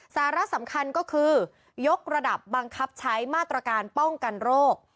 สาระสำคัญก็คือยกระดับบังคับใช้มาตรการป้องกันโรค